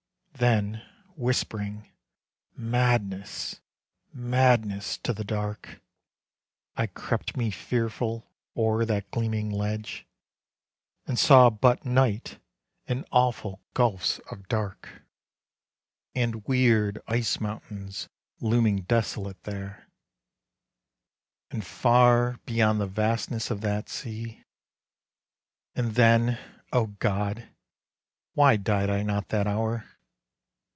Then, whispering "Madness, madness," to the dark, I crept me fearful o'er that gleaming ledge, And saw but night and awful gulfs of dark, And weird ice mountains looming desolate there, And far beyond the vastness of that sea. And then O God, why died I not that hour?